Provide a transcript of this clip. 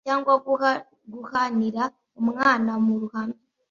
cyangwa guhanira umwana mu ruhame